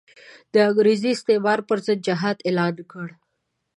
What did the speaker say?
د انګریزي استعمار پر ضد جهاد اعلان کړ.